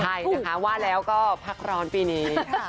ใช่นะคะว่าแล้วก็พักร้อนปีนี้